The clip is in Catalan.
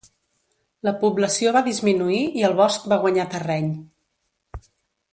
La població va disminuir i el bosc va guanyar terreny.